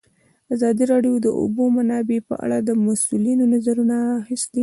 ازادي راډیو د د اوبو منابع په اړه د مسؤلینو نظرونه اخیستي.